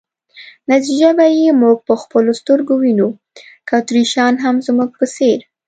نتیجه به یې موږ په خپلو سترګو وینو، که اتریشیان هم زموږ په څېر.